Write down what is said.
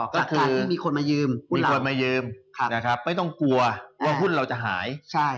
จากการที่มีคนมายืมมีคนมายืมไม่ต้องกลัวว่าหุ้นเราจะหาย